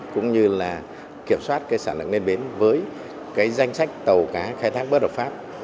cũng như là kiểm soát cái sản lượng lên bến với cái danh sách tàu cá khai thác bất hợp pháp